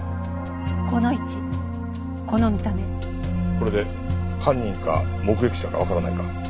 これで犯人か目撃者かわからないか？